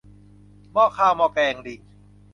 หม้อข้าวหม้อแกงลิง